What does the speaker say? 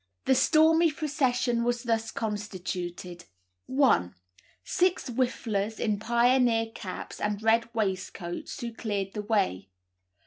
The stormy procession was thus constituted: 1. Six whifflers, in pioneer caps and red waistcoats, who cleared the way.